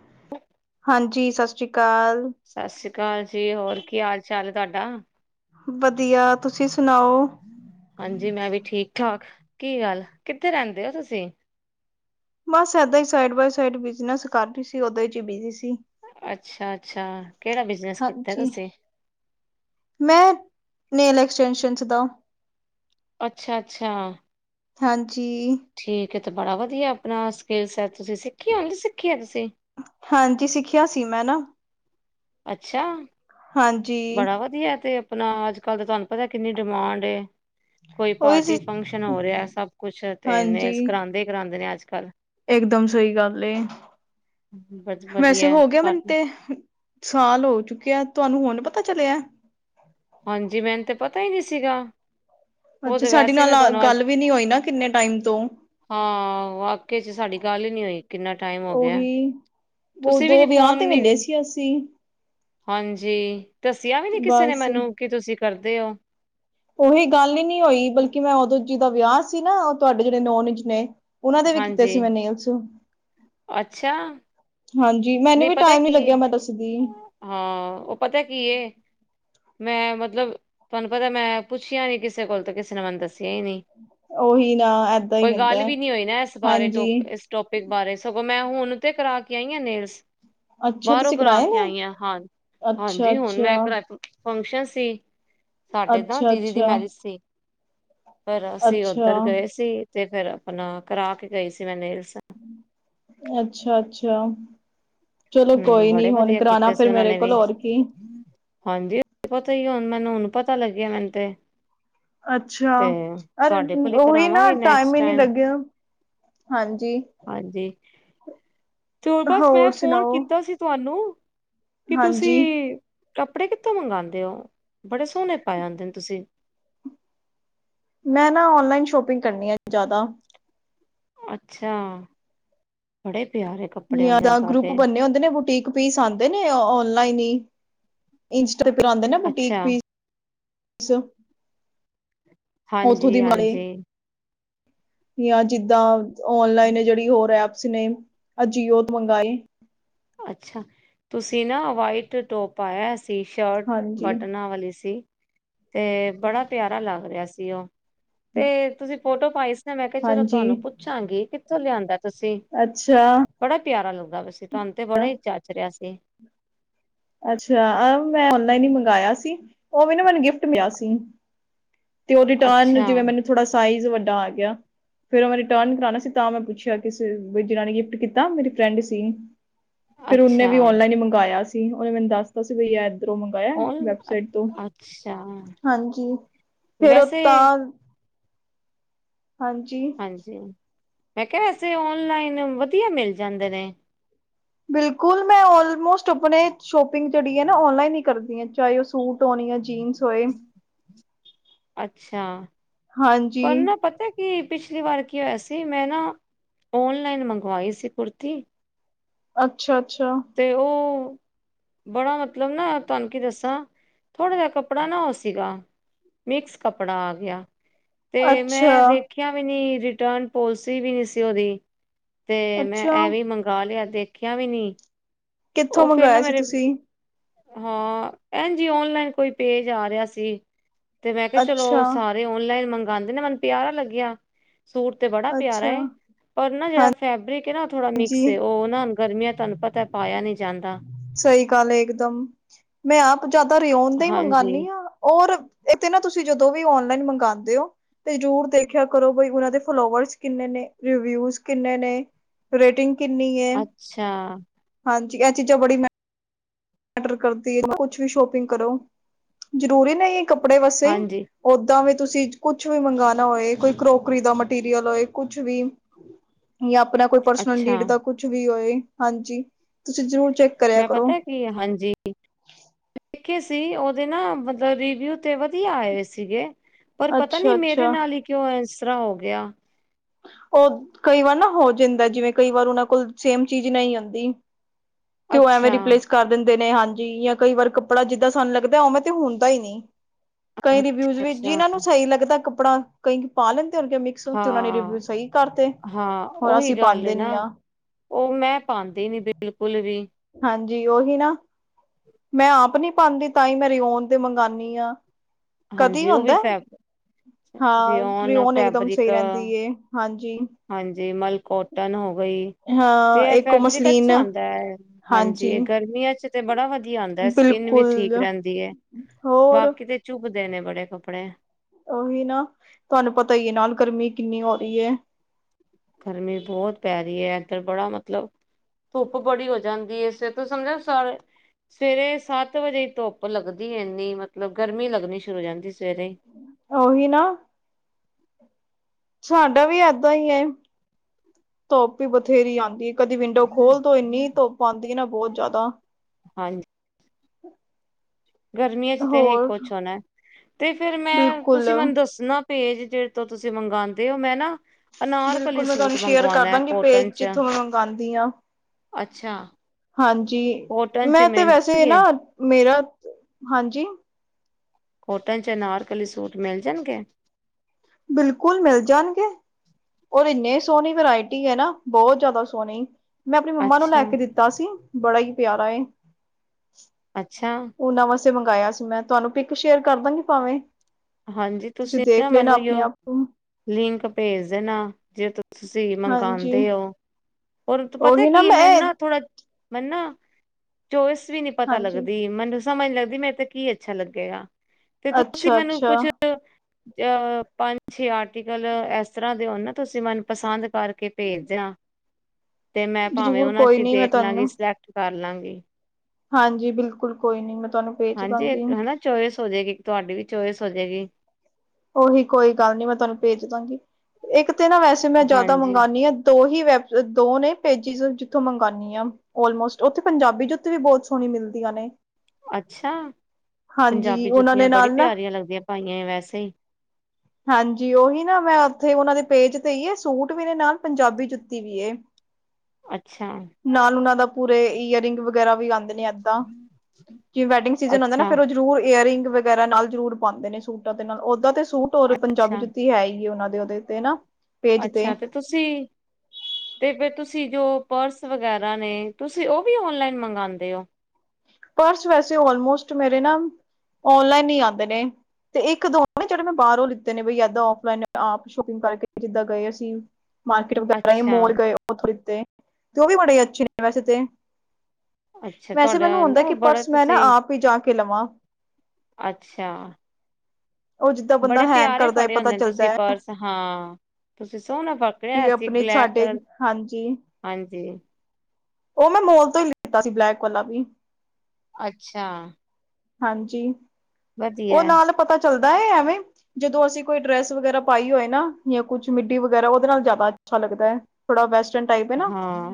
[inaudible] [inaudible] ਹਾਂਜੀ। ਸਤਿ ਸ੍ਰੀ ਅਕਾਲ। ਸਤਿ ਸ੍ਰੀ ਅਕਾਲ ਜੀ। ਹੋਰ ਕੀ ਹਾਲ- ਚਾਲ ਤੁਹਾਡਾ? ਵਧੀਆ ਤੁਸੀਂ ਸੁਣਾਓ? ਹਾਂਜੀ। ਮੈਂ ਵੀ ਠੀਕ -ਠਾਕ, ਕੀ ਗੱਲ ਕਿੱਥੇ ਰਹਿੰਦੇ ਹੋ ਤੁਸੀਂ? ਬਸ ਏਦਾਂ ਹੀ ਸਾਈਡ ਬਾਏ ਸਾਈਡ ਬਿਜਨਸ ਕਰ ਰਹੀ ਸੀ ਓਦੋਂ ਚ ਹੀ ਬਿਜੀ ਸੀ। ਅੱਛਾ-ਅੱਛਾ, ਕਿਹੜਾ ਬਿਜਨਸ ਕੀਤਾ ਹਾਂਜੀ, ਤੁਸੀਂ? ਮੈਂ, ਨੇਲ ਐਕਸਟੈਂਸ਼ਨ 'ਚ ਤਾਂ ਅੱਛਾ- ਅੱਛਾ। ਹਾਂਜੀ। ਠੀਕ ਹੈ ਤਾਂ ਬੜਾ ਵਧੀਆ ਆਪਣਾ ਸਕਿੱਲਸ ਹੈ, ਤੁਸੀਂ ਸਿੱਖੀ ਉਹ ਦੀ ਸਿੱਖੀ ਹੈ ਤੁਸੀਂ? ਹਾਂਜੀ। ਸਿੱਖਿਆ ਸੀ ਮੈਂ ਨਾ ਅੱਛਾ! ਹਾਂਜੀ। ਬੜਾ ਵਧੀਆ ਤੇ ਆਪਣਾ ਅੱਜ ਕੱਲ ਤਾਂ ਤੁਹਾਨੂੰ ਪਤਾ ਕਿੰਨੀ ਡਿਮਾਂਡ ਕੋਈ ਉਹੀ ਸੀ ਪਾਰਟੀ ਫੰਕਸ਼ਨ ਹੋ ਰਿਹਾ। ਸਭ ਕੁਛ ਤੇ ਹਾਂਜੀ, ਨੇਲਸ ਕਰਾਂਦੇ ਕਰਾਾਂਦੇ ਨੇ ਅੱਜ ਕੱਲ ਇਕਦਮ ਸਹੀ ਗੱਲ ਏ। ਵੈਸੇ ਵਧੀਆ ਹੋ ਗਿਆ ਸਾ ਮੈਨੂੰ ਤੇ ਸਾਲ ਹੋ ਚੁੱਕਿਆ ਤੁਹਾਨੂੰ ਹੁਣ ਪਤਾ ਚੱਲਿਆ। ਹਾਂਜੀ, ਮੈਨੂੰ ਤਾਂ ਪਤਾ ਹੀ ਨਹੀਂ ਸੀਗਾ। ਉਹ ਤੇ ਸਾਡੇ ਵੈਸੇ ਨਾਲ ਮੈਂ ਤੁਹਾਨੂੰ ਅੱਜ ਗੱਲ ਵੀ ਨੀ ਹੋਈ ਨਾ ਕਿੰਨੇ ਟਾਈਮ ਤੋਂ ਹਾਂ, ਵਾਕਿਆ ਚ ਸਾਡੀ ਗੱਲ ਨੀ ਹੋਈ ਕਿੰਨਾ ਟਾਈਮ ਹੋ ਗਿਆ। ਓਦੋ ਵਿਆਹ ਤੇ ਮਿਲੇ ਸੀ ਅਸੀਂ। ਜੀ, ਦੱਸਿਆ ਵੀ ਨੀ ਕਿਸੇ ਨੇ ਬਸ। ਮੈਨੂੰ ਕੀ ਤੁਸੀਂ ਕਰਦੇ ਓ। ਉਹੀ ਗੱਲ ਹੀ ਨਹੀਂ ਹੋਈ। ਬਲਕਿ ਮੈਂ ਓਦੋਂ ਜੀਦਾ ਵਿਆਹ ਸੀ ਨਾ ਤੁਹਾਡੇ ਜਿਹੜੇ ਨੋਨ ਵਿੱਚ ਨੇ ਉਹਨਾਂ ਦੇ ਵੀ ਕੀਤੇ ਹਾਂਜੀ ਸੀ ਮੈਂ ਨੇਲਸ ਅੱਛਾ ਹਾਂਜੀ, ਮੈਨੂੰ ਨਹੀਂ ਵੀ ਪਤਾ ਟਾਈਮ ਨੀ ਕੀ ਏ ਲੱਗਿਆ ਮੈਂ ਦੱਸਦੀ। ਹਾਂ, ਉਹ ਪਤਾ ਕੀ ਐ ਮੈਂ ਮਤਲਬ, ਤੁਹਾਨੂੰ ਪਤਾ ਮੈਂ ਪੁੱਛਿਆ ਨੀ ਕਿਸੇ ਕੋਲ ਤਾਂ ਕਿਸੇ ਨੇ ਮੈਨੂੰ ਦੱਸਿਆ। ਹੀ ਨਹੀਂ। ਉਹੀ ਨਾ ਏਦਾਂ ਕੋਈ ਹੀ ਹੁੰਦਾ ਗੱਲ ਵੀ ਨੀ ਹੋਈ ਨਾ ਇਸ ਬਾਰੇ ਟੋ ਹਾਂਜੀ ਟੋਪਿਕ ਬਾਰੇ ਸਗੋਂ ਮੈਂ ਹੁਣ ਤੇ ਕਰਾ ਕੇ ਆਈ ਹਾਂ, ਨੇਲਸ ਅੱਛਾ ਬਾਹਰੋਂ ਤੁਸੀਂ ਕਰਾ ਕਰਾਏ ਕੇ ਨੇ ਆਈ। ਹਾਂ- ਹਾਂ ਅੱਛਾ ਹਾਂਜੀ, ਹੁਣ ਮੈਂ ਅੱਛਾ ਕਰਾ ਫੰਕਸ਼ਨ ਸੀ। ਸਾਡੇ ਤਾਂ ਅੱਛਾ ਦੀਦੀ ਦੀ ਅੱਛਾ ਮੈਰਿਜ ਸੀ। ਪਰ ਅਸੀਂ ਅੱਛਾ ਉੱਧਰ ਗਏ ਸੀ। ਤੇ ਫਿਰ ਆਪਣਾ ਕਰਾ ਕੇ ਗਈ ਸੀ। ਮੈਂ ਨੇਲਸ ਅੱਛਾ-ਅੱਛਾ। ਚਲੋ ਹੂੰ ਕੋਈ ਨੀ ਬੜੇ ਹੁਨ ਵਧੀਆ ਕਰਾਨਾ ਕੀਤੇ ਫੇਰ ਸੀ ਉਹਨਾਂ ਮੇਰੇ ਨੇ ਕੋਲ ਵੀ ਹੋਰ ਕੀ ਹਾਂਜੀ ਪਤਾ ਹੀ ਹੁਣ ਮੈਨੂੰ ਹੁਣ ਪਤਾ ਲੱਗਿਆ ਮੈਨੂੰ ਤੇ। ਅੱਛਾ, ਤੇ ਅ ਤੁਹਾਡੇ ਕੋਲ ਹੀ ਉਹੀ ਨਾ ਕਰਾਵਾਂਗੀ ਟਾਈਮ ਨੈਕਸਟ ਹੀ ਨੀ ਲੱਗਿਆ। ਹਾਂਜੀ, ਹਾਂਜੀ ਤੇ ਬਸ ਮੈਂ ਹੋਰ ਫੋਨ ਸੁਣਾਓ। ਕੀਤਾ ਸੀ ਤੁਹਾਨੂੰ, ਕਿ ਤੁਸੀਂ ਹਾਂਜੀ ਕੱਪੜੇ ਕਿੱਥੋਂ ਮੰਗਾਂਦੇ ਓ? ਬੜੇ ਸੋਹਣੇ ਪਾਏ ਹੁੰਦੇ ਨੇ ਤੁਸੀਂ। ਮੈਂ ਨਾ ਔਨਲਾਈਨ ਸ਼ੋਪਿੰਗ ਕਰਨੀ ਆ ਜ਼ਿਆਦਾ। ਅੱਛਾ, ਬੜੇ ਪਿਆਰੇ। ਕੱਪੜੇ ਹੁੰਦੇ ਨੇ ਜਿਂਆਦਾ ਗਰੁੱਪ ਤੁਹਾਡੇ ਬਣੇ ਹੁੰਦੇ ਨੇ, ਬੂਟੀਕ ਪੀਸ ਆਂਦੇ ਨੇ ਆਨਲਾਈਨ ਹੀ। ਇੰਸਟਾਗ੍ਰਾਮ ਦੇ ਨਾ ਅੱਛਾ ਬੂਟੀਕ ਪੀਸ। ਉੱਥੋਂ ਦੀ ਮਲੇ ਹਾਂਜੀ-ਹਾਂਜੀ। ਜਾਂ ਜਿੱਦਾਂ ਔਨਲਾਈਨ ਜਿਹੜੀ ਹੋਰ ਐਪਸ ਨੇ, ਅ ਜੀਓ ਤੋਂ ਮੰਗਾਈ। ਅੱਛਾ, ਤੁਸੀਂ ਨਾ ਵਾਈਟ ਟੋਪ ਪਾਇਆ ਹੋਇਆ ਸੀ? ਸ਼ਰਟ ਹਾਂਜੀ। ਬਟਨਾਂ ਵਾਲੀ ਸੀ। ਤੇ ਬੜਾ ਪਿਆਰਾ ਲੱਗ ਰਿਹਾ ਸੀ ਓ ਤੇ ਤੁਸੀਂ ਫੋਟੋ ਪਾਈ ਸੀ ਨਾ ਮੈਂ ਕਿਹਾ ਚਲੋ ਹਾਂਜੀ ਤੁਹਾਨੂੰ ਪੁੱਛਾਂਗੀ। ਕਿੱਥੋਂ ਲਿਆਂਦਾ ਤੁਸੀਂ ਅੱਛਾ। ਬੜਾ ਪਿਆਰਾ ਲੱਗਦਾ ਪਿਆ ਸੀ। ਤੁਹਾਨੂੰ ਤੇ ਬੜਾ ਈ ਚਾ ਚੜਿਆ ਸੀ। ਅੱਛਾ, ਅ ਮੈਂ ਔਨਲਾਈਨ ਹੀ ਮੰਗਾਇਆ ਸੀ, ਓ ਵੀ ਨਾ ਮੈਨੂੰ ਗਿਫਟ ਮਿਲਿਆ ਸੀ। ਤੇ ਉਹ ਰਿਟਰਨ ਅੱਛਾ ਜਿਵੇਂ ਮੈਨੂੰ ਥੋੜ੍ਹਾ ਸਾਈਜ਼ ਵੱਡਾ ਆ ਗਿਆ। ਫੇਰ ਉਹ ਮੈਂ ਰਿਟਰਨ ਕਰਾਨਾ ਸੀ, ਤਾਂ ਮੈਂ ਪੁੱਛਿਆ, ਕਿ ਜਿਨਾਂ ਨੇ ਗਿਫਟ ਕੀਤਾ ਮੇਰੀ ਫਰੈਂਡ ਸੀ। ਫੇਰ ਉਹਨੇ ਅੱਛਾ ਵੀ ਔਨਲਾਈਨ ਮੰਗਇਆ ਸੀ। ਉਹਨੇ ਮੈਨੂੰ ਦੱਸਤਾ ਸੀ ਵੀ ਇਹ ਇਦਰੋਂ। ਔਨ ਵੈਬਸਾਈਟ ਤੋਂ, ਅੱਛਾ ਹਾਂਜੀ ਫਿਰ ਓ ਵੈਸੇ ਤਾਂ? ਹਾਂਜੀ? ਹਾਂਜੀ ਮੈਂ ਕਿਹਾ, ਵੈਸੇ ਔਨਲਾਈਨ ਵਧੀਆ ਮਿਲ ਜਾਂਦੇ ਨੇ। ਬਿਲਕੁਲ, ਮੈਂ ਆਲਮੋਸਟ ਆਪਣੇ ਸ਼ੋਪਿੰਗ ਜਿਹੜੀ ਹੈ ਨਾ, ਔਨਲਾਈਨ ਹੀ ਕਰਦੀ ਹਾਂ, ਚਾਹੇ ਉਹ ਸੂਟ ਹੋਣ ਜਾਂ ਜੀਨਸ। ਹੋਏ ਅੱਛਾ, ਹਾਂਜੀ ਪਰ ਨਾ ਪਤਾ। ਕੀ, ਪਿਛਲੀ ਵਾਰ ਕੀ ਹੋਇਆ ਸੀ, ਮੈਂ ਨਾ ਔਨਲਾਈਨ ਮੰਗਵਾਈ ਸੀ ਕੁੜਤੀ। ਅੱਛਾ, ਅੱਛਾ। ਓ, ਬੜਾ, ਮਤਲਬ ਨਾ ਤੁਹਾਨੂੰ ਕੀ ਦੱਸਾਂ, ਥੋੜ੍ਹਾ ਜਾ ਕੱਪੜਾ ਨਾ ਉਹ ਸੀਗਾ। ਮਿਕਸ ਕੱਪੜਾ ਆ ਗਿਆ। ਤੇ, ਮੈਂ ਅੱਛਾ ਦੇਖਿਆ ਵੀ ਨੀ ਰਿਟਰਨ ਪੋਲਿਸੀ ਵੀ ਨੀ ਸੀ ਉਹਦੀ। ਤੇ, ਮੈਂ ਅੱਛਾ ਐਵੇਂ ਮੰਗਾ ਲਿਆ ਦੇਖਿਆ ਵੀ ਨਹੀਂ। ਕਿੱਥੋਂ ਫਿਰ ਨਾ ਮੰਗਵਾਇਆ ਸੀ ਮੇਰੇ ਤੁਸੀਂ ਹਾਂ, ਅੰਜੀ ਔਨਲਾਈਨ ਕੋਈ ਪੇਜ ਆ ਰਿਹਾ ਸੀ, ਤੇ ਮੈਂ ਕਿਹਾ, ਚਲੋ ਅੱਛਾ ਸਾਰੇ ਔਨਲਾਈਨ ਮੰਗਾਉਂਦੇ ਨਾ ਮੈਨੂ ਪਿਆਰਾ ਲੱਗਿਆ, ਸੂਟ ਤੇ ਬੜਾ ਪਿਆਰਾ ਅੱਛਾ ਹੇ। ਪਰ ਨਾ, ਜਿਹੜਾ ਫੈਬਰਿਕ ਹੇ ਨਾ ਥੋੜਾ ਮਿਕਸ ਹਾਂਜੀ ਹੈ, ਉਹ ਉਹਨਾਂ ਗਰਮੀਆਂ ਤੁਹਾਨੂੰ ਪਤਾ ਪਾਇਆ ਨਹੀਂ ਜਾਂਦਾ। ਸਹੀ ਗੱਲ ਹੈ, ਇਕਦਮ ਮੈਂ ਆਪ ਜਿਆਦਾ ਰਿਉਣ ਦਾ ਹੀ ਹਾਂਜੀ ਮੰਗਾਂਨੀ ਹਾਂ, ਔਰ ਇੱਕ ਤੇ ਨਾ ਤੁਸੀਂ, ਜਦੋਂ ਵੀ ਔਨਲਾਈਨ ਮੰਗਾਉਂਦੇ ਹੋ ਤੇ ਜ਼ਰੂਰ ਦੇਖਿਆ ਕਰੋ, ਬਈ ਉਹਨਾਂ ਦੇ ਫੋਲੋਵਰਸ ਕਿੰਨੇ ਨੇ, ਰਿਵਿਊਸ ਕਿੰਨੇ ਨੇ। ਰੇਟਿੰਗ ਕਿੰਨੀ ਏ, ਅੱਛਾ ਹਾਂਜੀ ਇਹ ਚੀਜ਼ਾਂ ਬੜੀ ਮ ਮੈਟਰ ਕਰਦੀ ਹੈ ਕੁਛ ਵੀ ਸ਼ੋਪਿੰਗ ਕਰੋ, ਜ਼ਰੂਰੀ ਨਹੀਂ ਕੱਪੜੇ ਵੈਸੀ ਹੀ। ਹਾਂਜੀ ਓਦਾਂ ਵੀ ਤੁਸੀਂ ਕੁਛ ਵੀ ਮੰਗਉਣਾ ਹੋਏ, ਕੋਈ ਕ੍ਰੋਕਰੀ ਦਾ ਮਟੀਰੀਅਲ ਹੋਏ, ਕੁਛ ਵੀ। ਜਾਂ ਆਪਣਾ ਕੋਈ ਪਰਸਨਲ ਅੱਛਾ, ਨੀਡ ਦਾ ਕੁਛ ਵੀ ਹੋਏ, ਹਾਂਜੀ, ਤੁਸੀਂ ਜ਼ਰੂਰ ਚੈੱਕ ਕਰਿਆ ਮੈਂ ਕਰੋ ਪਤਾ ਕੀ ਹਾਂਜੀ ਦੇਖੇ ਸੀ, ਉਹਦੇ ਨਾ ਮਤਲਬ ਰੀਵਿਊ ਤੇ ਵਧੀਆ ਆਏ ਸੀਗੇ। ਪਰ ਪਤਾ ਨੀ ਮੇਰੇ ਅੱਛਾ-ਅੱਛਾ। ਨਾਲ ਹੀ ਕਿਉਂ ਇਸ ਤਰ੍ਹਾਂ ਹੋ ਗਿਆ। ਉਹ ਕਈ ਵਾਰ ਨਾ ਹੋ ਜਾਂਦਾ, ਜਿਵੇਂ ਕਈ ਵਾਰ ਉਹਨਾਂ ਕੋਲ ਸੇਮ ਚੀਜ਼ ਨਹੀਂ ਹੁੰਦੀ। ਤੇ ਉਹ ਐਵੇਂ ਅੱਛਾ ਰਿਪਲੇਸ ਕਰ ਦਿੰਦੇ ਨੇ, ਹਾਂਜੀ‌, ਯਾ ਕਈ ਵਾਰ ਕੱਪੜਾ ਜਿੱਦਾਂ ਸਾਨੂੰ ਲੱਗਦਾ ਉਵੇਂ ਤੇ ਹੁੰਦਾ ਹੀ ਨਹੀਂ। ਕਈ ਰਿਵਿਊਜ਼ ਵੀ ਅੱਛਾ-ਅੱਛਾ, ਜਿਨਾਂ ਨੂੰ ਸਹੀ ਲੱਗਦਾ ਕੱਪੜਾ ਕਈ ਪਾ ਲੈਂਦੇ ਹੋ ਮ ਤੇ ਉਹਨਾਂ ਨੇ ਰਿਵਿਊ ਹਾਂ-ਹਾਂ ਸਹੀ ਕਰਤੇ ਹੁਣ ਉਹੀ ਅਸੀਂ ਗੱਲ ਏ ਪਾਉਦੇ ਨੀ ਨਾ ਆ ਉਹ ਮੈਂ ਪਾਉਂਦੀ ਨੀ ਬਿਲਕੁਲ ਵੀ ਹਾਂਜੀ ਓਹੀ ਨਾ ਮੈਂ ਆਪ ਨਹੀਂ ਪਾਉਂਦੀ ਤਾਂ ਹੀ ਮੈਂ ਰਿਓਨ ਤੇ ਮੰਗਵਾਉਂਦੀ ਆ ਕਦੀ ਹਾਂਜੀ ਉਹ ਵੀ ਹੁੰਦਾ ਫੈ ਜੇ ਹਾਂ ਰੀਓਂਨ ਰਿਓਨ ਇਕਦਮ ਫੈਬਰਿਕ ਸਹੀ ਰਹਿੰਦੀ ਏ। ਹਾਂਜੀ ਹਾਂਜੀ ਮਲਕੋਟਨ ਹੋ ਗਈ। ਤੇ ਹਾਂ ਇੱਕ ਫੈਬਰਿਕ ਮਸਲੀਨ ਅੱਛਾ ਆਉਂਦਾ ਹੈ ਹਾਂਜੀ ਗਰਮੀਆਂ ਚ ਤੇ ਬੜਾ ਵਧੀਆ ਆਉਂਦਾ ਹੈ। ਸਕਿੰਨ ਵੀ ਠੀਕ ਬਿਲਕੁਲ ਰਹਿੰਦੀ ਹੈ। ਹੋਰ ਝੁਭਦੇ ਨੇ ਬੜੇ ਕੱਪੜੇ ਉਹੀ ਨਾ ਤੁਹਾਨੂੰ ਪਤਾ ਹੀ ਹੈ ਨਾਲ ਗਰਮੀ ਕਿੰਨੀ ਹੋ ਰਹੀ ਹੈ। ਗਰਮੀ ਬਹੁਤ ਪੈ ਰਹੀ ਹੈ ਇੱਧਰ ਬੜਾ ਮਤਲਬ ਧੁੱਪ ਬੜੀ ਹੋ ਜਾਂਦੀ ਏ, ਸੇਤੋਂ ਸਮਝੋ ਸ ਸਵੇਰੇ ਸੱਤ ਵਜੇ ਈ ਧੁੱਪ ਲੱਗਦੀ ਏ, ਇੰਨੀ ਮਤਲਬ ਗਰਮੀ ਲੱਗਣੀ ਸ਼ੁਰੂ ਹੋ ਜਾਂਦੀ ਸਵੇਰੇ। ਉਹੀ ਨਾ ਸਾਡਾ ਵੀ ਏਦਾਂ ਹੀ ਏ, ਧੁੱਪ ਹੀ ਬਥੇਰੀ ਆਉਂਦੀ ਹੈ। ਕਦੀ ਵਿੰਡੋ ਖੋਲ੍ਹ ਦੋ ਇੰਨੀ ਧੁੱਪ ਆਉਂਦੀ ਨਾ ਬਹੁਤ ਜ਼ਿਆਦਾ। ਹਾਂਜੀ ਹਮ ਗਰਮੀਆਂ ਚ ਤੇ ਇਹੀ ਕੁਛ ਹੋਣਾ ਤੇ ਫਿਰ ਮੈਂ ਬਿਲਕੁਲ ਤੁਸੀਂ ਮੈਨੂੰ ਦੱਸਣਾ ਭੇਜ ਜੇਹੜ ਤੋਂ ਤੁਸੀਂ ਮੰਗਵਾਉਂਦੇ ਹੋ ਮੈਂ ਨਾ ਅਨਾਰਕਲੀ ਬਿਲਕੁਲ ਮੈਂ ਸੂਟ ਤੁਹਾਨੂੰ ਸ਼ੇਅਰ ਕਰ ਮੰਗਵਾਉਣਾ ਦਾਂਗੀ ਕੋਟਨ ਪੇਜ ਚ ਜਿੱਥੋਂ ਮੈਂ ਮੰਗਵਾਉਂਦੀ ਹਾਂ ਅੱਛਾ ਹਾਂਜੀ ਕੋਟਨ ਚ ਮੈਂ ਤੇ ਮਿਲ ਵੈਸੇ ਜਾਣਗੇ ਨਾ ਮੇਰਾ ਹਾਂਜੀ। ਕੋਟਨ 'ਚ ਨਾਰਕਲੀ ਸੂਟ ਮਿਲ ਜਾਣ ਕਿ ਬਿਲਕੁਲ ਮਿਲ ਜਾਣਗੇ। ਔਰ ਇੰਨੀ ਸੋਹਣੀ ਵਰਾਇਟੀ ਹੈ ਨਾ ਬਹੁਤ ਜ਼ਿਆਦਾ ਸੋਹਣੀ ਮੈਂ ਆਪਣੀ ਮੰਮਾ ਨੂੰ ਲੈ ਅੱਛਾ ਕੇ ਦਿੱਤਾ ਸੀ ਬੜਾ ਹੀ ਪਿਆਰਾ ਏ ਅੱਛਾ। ਉਹਨਾ ਵਾਸਤੇ ਮੰਗਾਇਆ ਸੀ ਮੈਂ ਤੁਹਾਨੂੰ ਪਿੱਕ ਸ਼ੇਅਰ ਕਰ ਦਾਂਗੀ ਭਾਵੇਂ ਹਾਂਜੀ ਤੁਸੀਂ ਨਾ ਦੇਖ ਲੈਣਾ ਮੈਨੂੰ ਆਪਣੇ ਆਪ ਨੂੰ ਲਿੰਕ ਭੇਜ ਦੇਣਾ ਜੇ ਤੇ ਤੁਸੀਂ ਹਾਂਜੀ ਮੰਗਵਾਉਂਦੇ ਹੋ ਹੋਰ ਤੂੰ ਪਤਾ ਉਹੀ ਕੀ ਮੈਨੂੰ ਮੈਂ ਨਾ ਥੋੜ੍ਹਾ ਮੈਨੂੰ ਨਾ ਚੋਇਸ ਵੀ ਨੀ ਪਤਾ ਹਾਂਜੀ ਲੱਗਦੀ। ਮੈਨੂੰ ਸਮਝ ਨੀ ਲੱਗਦੀ, ਮੇਰੇ ਤੇ ਕੀ ਅੱਛਾ ਲੱਗੇਗਾ। ਤੇ ਤੁਸੀਂ ਅੱਛਾ ਮੈਨੂੰ ਅੱਛਾ ਕੁਛ ਅ ਪੰਜ ਛੇ ਆਰਟੀਕਲ, ਇਸ ਤਰ੍ਹਾਂ ਦੇ ਹੋ ਨਾ ਤੁਸੀਂ ਮੈਨੂੰ ਪਸੰਦ ਕਰਕੇ ਭੇਜਣਾ ਤੇ ਮੈਂ ਭਾਵੇਂ ਜ਼ਰੂਰ ਉਹਨਾਂ ਕੋਈ ਚ ਨਹੀਂ ਮੈਂ ਦੇਖ ਲਾਂਗੀ ਤੁਹਾਨੂੰ ਸਲੈਕਟ ਕਰ ਲਾਗੀ। ਹਾਂਜੀ। ਬਿਲਕੁਲ, ਕੋਈ ਨੀ ਮੈਂ ਤੁਹਾਨੂੰ ਭੇਜ ਹਾਂਜੀ ਦਾਂਗੀ। ਹਨਾ ਚੋਇਸ ਹੋ ਜਾਏਗੀ। ਤੁਹਾਡੀ ਵੀ ਚੋਇਸ ਹੋ ਜਾਏਗੀ। ਓਹੀ ਕੋਈ ਗੱਲ ਨੀ, ਮੈਂ ਤੁਹਾਨੂੰ ਭੇਜ ਦਾਂਗੀ। ਇੱਕ ਤੇ ਨਾ ਵੈਸੇ ਮੈਂ ਜ਼ਿਆਦਾ ਹਾਂਜੀ ਮੰਗਉਣੀ ਹਾਂ। ਦੋ ਹੀ ਵੈਬ, ਦੋ ਨੇ ਪੇਜਿਸ ਜਿੱਥੋਂ ਮੰਗਵਾਣੀ ਆ। ਓਲਮੋਸਟ ਉੱਥੇ ਪੰਜਾਬੀ ਜੁੱਤੀ ਵੀ ਬਹੁਤ ਸੋਹਣੀ ਮਿਲਦੀਆਂ ਨੇ। ਅੱਛਾ। ਹਾਂਜੀ ਪੰਜਾਬੀ ਉਹਨਾਂ ਦੇ ਜੁੱਤੀਆਂ ਬੜੀ ਨਾਲ ਨਾ ਪਿਆਰੀਆਂ ਲੱਗਦੀਆਂ ਪਾਈਆਂ ਵੈਸੇ ਹੀ। ਹਾਂਜੀ, ਉਹੀ ਨਾ ਮੈਂ ਉੱਥੇ ਉਹਨਾਂ ਦੇ ਪੇਜ ਤੇ ਹੀ ਸੂਟ ਵੀ ਨੇ ਨਾਲ ਪੰਜਾਬੀ ਜੁੱਤੀ ਵੀ ਏ। ਅੱਛਾ। ਨਾਲ ਉਹਨਾਂ ਦਾ ਪੂਰੇ ਈਅਰਿੰਗ ਵਗੈਰਾ ਵੀ ਆਂਦੇ ਨੇ ਏਦਾਂ। ਜਿਵੇਂ ਵੈਡਿੰਗ ਸੀਜਨ ਆਂਦਾ ਨਾ ਅੱਛਾ ਫਿਰ ਜ਼ਰੂਰ ਏਅਰਿੰਗ ਵਗੈਰਾ ਨਾਲ ਜ਼ਰੂਰ ਪਾਂਦੇ ਨੇ ਸੂਟਾਂ ਦੇ ਨਾਲ ਓਦਾਂ ਤੇ ਸੂਟ ਹੋਰ ਪੰਜਾਬੀ ਅੱਛਾ ਜੁੱਤੀ ਹੈ ਹੀ ਏ ਉਹਨਾ ਦੇ ਉਹਦੇ ਤੇ ਨਾ ਅੱਛਾ ਤੇ ਤੁਸੀਂ ਤੇ ਫੇਰ ਤੁਸੀਂ ਜੋ ਪਰਸ ਵਗੈਰਾ ਨੇ ਤੁਸੀਂ ਉਹ ਵੀ ਓਨਲਾਈਨ ਮੰਗਵਾਉਦੇ ਹੋ। ਪਰਸ ਵੈਸੇ ਓਲਮੋਸਟ ਮੇਰੇ ਨਾ ਔਨਲਾਈਨ ਹੀ ਆਂਦੇ ਨੇ। ਤੇ ਇੱਕ ਦੋ ਨੇ ਜਿਹੜੇ ਮੈਂ ਬਾਹਰੋਂ ਲਿੱਤੇ ਨੇ ਬਈ ਏਦਾਂ ਫਲਾਈਨ, ਆਪ ਸ਼ੋਪਿੰਗ ਕਰਕੇ ਜਿੱਦਾਂ ਗਏ ਅਸੀਂ। ਮਾਰਕੀਟ ਵਗੈਰਾ ਗਏ, ਅੱਛਾ, ਮੋਲ ਗਏ। ਉੱਥ ਤੋਂ ਲਿਤੇ, ਉਹ ਵੀ ਬੜੇ ਹੀ ਅੱਛੇ ਨੇ ਵੈਸੇ ਤੇ। ਅੱਛਾ, ਵੈਸੇ ਮੈਨੂੰ ਤੁਹਾਡਾ ਹੁੰਦਾ ਨਾ ਕਿ ਬੜਾ ਪਰਸ ਮੈਂ ਨਾ ਤੁਸੀਂ, ਆਪ ਹੀ ਜਾ ਕੇ ਲਵਾਂ। ਅੱਛਾ। ਉਹ ਜਿੱਦਾਂ ਬੰਦਾ ਬੜੇ ਹੈਂਗ ਪਿਆਰੇ ਕਰਦਾ ਹੈ ਫੜੇ ਪਤਾ ਹੁੰਦੇ ਨੇ ਚੱਲਦਾ ਤੁਸੀਂ ਹੈ ਪਰਸ ਹਾਂ। ਤੁਸੀਂ ਸੋਹਨੇ ਫ ਫੜਿਆ ਹੋਇਆ ਕਿ ਸੀ ਆਪਣੇ ਬਲੈਕ ਸਾਡੇ ਕਲਰ, ਹਾਂਜੀ ਹਾਂਜੀ। ਉਹ, ਮੈਂ ਮੋਲ ਤੋਂ ਹੀ ਲਿੱਤਾ ਸੀ ਬਲੈਕ ਵਾਲਾ ਵੀ। ਅੱਛਾ। ਹਾਂਜੀ। ਉਹ ਵਧੀਆ ਨਾਲ ਪਤਾ ਚੱਲਦਾ ਐ, ‌ ਐਵੇਂ ਜਦੋਂ ਅਸੀਂ ਕੋਈ ਡਰੈਸ ਵਗੈਰਾ ਪਾਈ ਹੋਏ ਨਾ ਜਾਂ ਕੁਛ ਮਿੱਡੀ ਵਗੈਰਾ ਉਹਦੇ ਨਾਲ ਜ਼ਿਆਦਾ ਅੱਛਾ ਲੱਗਦਾ ਹੈ। ਥੋੜਾ ਵੈਸਟਰਨ ਟਾਈਪ ਐ ਨਾ, ਹਾਂ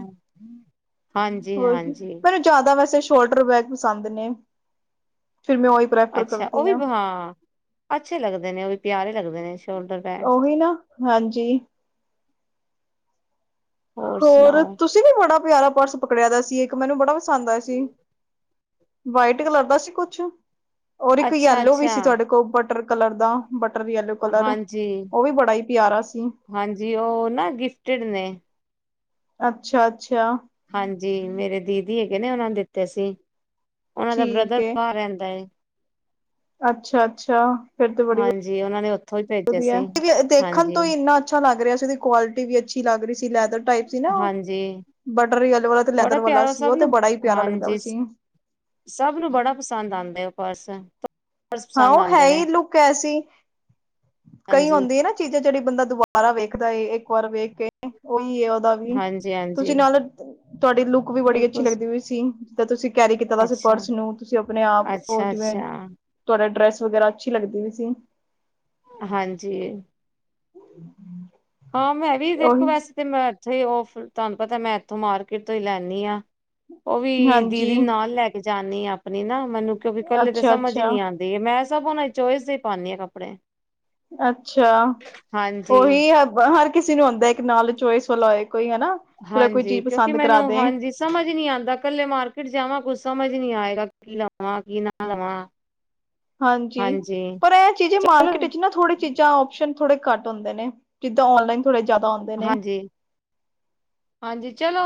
ਹਾਂਜੀ ਹੋਰ ਕੀ ਹਾਂਜੀ ਪਰ। ਜ਼ਿਆਦਾ ਵੈਸੇ ਸ਼ੋਲਡਰ ਬੈਗ ਪਸੰਦ ਨੇ। ਫਿਰ ਮੈਂ ਉਹੀ ਪ੍ਰੈਫਰ ਅੱਛਾ, ਉਹ ਕਰਦੀ ਵੀ ਹਾਂ, ਅੱਛੇ ਲੱਗਦੇ ਨੇ ਉਹ ਵੀ ਪਿਆਰੇ ਲੱਗਦੇ ਨੇ ਸ਼ੋਲਡਰ ਬੈਗ ਉਹੀ ਨਾ, ਹਾਂਜੀ। ਹੋਰ ਤੁਸੀਂ ਨੀ ਬੜਾ ਪਿਆਰਾ ਪਰਸ ਪਕੜਿਆ ਦਾ ਸੀ। ਇੱਕ ਮੈਨੂੰ ਬੜਾ ਪਸੰਦ ਆਇਆ ਸੀ। ਵਾਈਟ ਕਲਰ ਦਾ ਸੀ ਕੁਛ ਔਰ ਇੱਕ ਅੱਛਾ ਯੇਲੋ ਵੀ ਅੱਛਾ ਸੀ ਤੁਹਾਡੇ ਕੋਲ ਬਟਰ ਕਲਰ ਦਾ। ਬਟਰ ਦੀ ਐਲੋ ਕਲਰ, ਹਾਂਜੀ ਉਹ ਵੀ ਬੜਾ ਹੀ ਪਿਆਰਾ ਸੀ। ਹਾਂਜੀ, ਉਹ ਨਾ ਗਿਫਟੀਡ ਨੇ। ਅੱਛਾ-ਅੱਛਾ। ਹਾਂਜੀ, ਮੇਰੇ ਦੀਦੀ ਹੈਗੇ ਨੇ ਉਹਨਾਂ ਨੇ ਦਿੱਤੇ ਸੀ। ਉਹਨਾਂ ਦਾ ਠੀਕ ਬ੍ਰਦਰ ਬਾਰ ਰਹਿੰਦਾ ਏ। ਅੱਛਾ-ਅੱਛਾ, ਫਿਰ ਤੇ ਬੜੀ ਹਾਂਜੀ ਉਹਨਾਂ ਨੇ ਉੱਥੋਂ ਹੀ ਭੇਜੇ ਵਧੀਆ। ਸੀ ਦੇਖਣ ਹਾਂਜੀ ਤੋਂ ਹੀ ਇੰਨਾ ਅੱਛਾ ਲੱਗ ਰਿਹਾ ਸੀ। ਉਹਦੀ ਕੁਆਲਿਟੀ ਵੀ ਅੱਛੀ ਲੱਗਹੀ ਸੀ ਲੈਦਰ ਟਾਈਪ ਸੀ ਨਾ ਉਹ, ਹਾਂਜੀ ਬਟਰ ਹੀ ਆ ਵਾਲਾ ਤੇ ਬੜਾ ਲੈਦਰ ਵਾਲਾ ਪਿਆਰਾ ਸੀ, ਸਭ ਉਹ ਤੇ ਨੂੰ ਬੜਾ ਹੀ ਪਿਆਰਾ ਲੱਗਦਾ ਪਿਆ ਹਾਂਜੀ ਸੀ। ਸਭ ਨੂੰ ਬੜਾ ਪਸੰਦ ਆਉਂਦੇ ਉਹ ਪਰਸ। ਹਾਂ ਪਸੰਦ ਉਹ ਹੈ ਆਉਂਦੇ ਨੇ ਹੀ ਲੁੱਕ ਐਸੀ। ਕਈ ਹਾਂਜੀ ਹੁੰਦੀ ਨਾ ਚੀਜ਼ਾਂ ਜਿਹੜੀ ਬੰਦਾ ਦੁਬਾਰਾ ਵੇਖਦਾ ਏ, ਇੱਕ ਵਾਰ ਵੇਖ ਕੇ ਉਹੀ ਹੈ ਉਹਦਾ। ਹਾਂਜੀ ਹਾਂਜੀ ਤੁਸੀਂ ਨਾਲ ਤੁਹਾਡੀ ਲੁੱਕ ਵੀ ਬੜੀ ਅੱਛੀ ਬਿਲਕੁਲ ਲੱਗਦੀ ਪਈ ਸੀ। ਜਿੱਦਾਂ ਤੁਸੀਂ ਕੈਰੀ ਕੀਤਾ ਦਾ ਸੀ ਅੱਛਾ ਪਰਸ ਨੂੰ, ਤੁਸੀਂ ਆਪਣੇ ਆਪ ਉਹ ਅੱਛਾ ਜਿਵੇਂ ਅੱਛਾ ਤੁਹਾਡਾ ਡਰੈਸ ਵਗੈਰਾ ਅੱਛੀ ਲੱਗਦੀ ਪਈ ਸੀ। ਹਾਂਜੀ। ਹਾਂ, ਮੈਂ ਵੀ ਦੇਖੋ ਉਹੀ ਵੈਸੇ ਤਾਂ ਮੈਂ ਇੱਥੇ ਹੀ ਉਹ ਤੁਹਾਨੂੰ ਪਤਾ ਮੈਂ ਇੱਥੋਂ ਮਾਰਕੀਟ ਤੋਂ ਹੀ ਲੈਂਨੀ ਆ। ਉਹ ਵੀ ਹਾਂਜੀ ਦੀਦੀ ਨਾਲ ਲੈ ਕੇ ਜਾਂਦੀ ਆ ਆਪਣੀ ਨਾ, ਮੈਨੂੰ ਕਿਉਂਕਿ ਇਕੱਲੇ ਤਾਂ ਅੱਛਾ ਸਮਝ ਅੱਛਾ ਨਹੀਂ ਆਂਦੀ। ਮੈਂ ਸਭ ਹੁਣ ਚੋਇਸ ਹੀ ਪਾਣੀਂ ਹਾਂ ਕੱਪੜੇ। ਅੱਛਾ ਹਾਂਜੀ ਉਹੀ ਹਰ ਕਿਸੇ ਨੂੰ ਹੁੰਦਾ ਇੱਕ ਨਾਲ‌ ਚੋਇਸ। ਲਾਏ ਕੋਈ ਹਨਾ। ਜਿਹੜਾ ਕੋਈ ਹਾਂਜੀ ਚੀਜ਼ ਕਿਉਂਕਿ ਪਸੰਦ ਮੈਨੂੰ ਕਰਾ ਦੇ ਹਾਂਜੀ। ਸਮਝ ਨੀ ਆਦਾ ਕੱਲੇ ਮਾਰਕੀਟ ਜਾਵਾਂ ਕੁਛ ਸਮਝ ਨੀ ਆਏਗਾ ਕੀ ਲਵਾਂ ਕਿ ਨਾ ਲਵਾ। ਹਾਂਜੀ, ਪਰ ਇਹ ਚੀਜ਼ਾਂ ਚਲੋ ਮਾਰਕੀਟ 'ਚ, ਨਾ, ਥੋੜੀ ਚੀਜ਼। ਜਾਂ ਆਪਸ਼ਨ ਥੋੜੇ ਘੱਟ ਹੁੰਦੇ ਨੇ ਜਿੱਦਾਂ ਔਨਲਾਈਨ। ਥੋੜੇ ਜ਼ਿਆਦਾ ਹੁੰਦੇ ਨੇ ਹਾਂਜੀ। ਹਾਂਜੀ। ਚਲੋ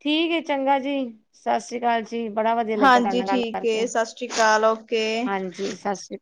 ਠੀਕ ਹੈ ਚੰਗਾ ਜੀ ਸਤਿ ਸ੍ਰੀ ਅਕਾਲ ਜੀ। ਜੀ ਬੜਾ ਵਧੀਆ ਲੱਗਿਆ ਤੁਹਾਡੇ ਹਾਂਜੀ ਨਾਲ ਗੱਲ ਠੀਕ ਏ, ਕਰਕੇ। ਸਤਿ ਸ਼੍ਰੀ ਅਕਾਲ, ਓਕੇ। ਹਾਂਜੀ ਸਤਿ ਸ੍ਰੀ ਅਕਾਲ। [unintelligible]